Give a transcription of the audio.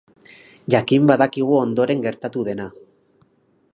Jakin badakigu ondoren gertatu dena.